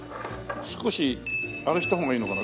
少しあれした方がいいのかな？